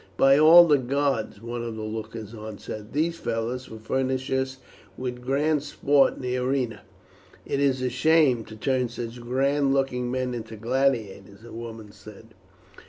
"By all the gods!" one of the lookers on said, "these fellows will furnish us with grand sport in the arena." "It is a shame to turn such grand looking men into gladiators," a woman said.